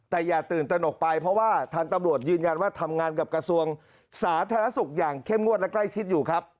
แต่อย่าตื่นตนกไปเพราะว่าทางตำรวจยืนยันว่าทำงานกับกระทรวงสาธารณสุขอย่างเข้มงวดและใกล้ชิดอยู่ครับ